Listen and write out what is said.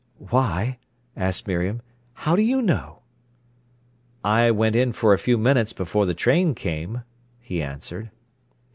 "Why," asked Miriam, "how do you know?" "I went in for a few minutes before the train came," he answered.